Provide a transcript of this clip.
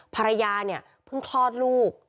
ภรรยาเพิ่งคลอดลูก